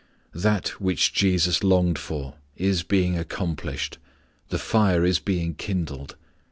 That which Jesus longed for is being accomplished, the fire is being kindled.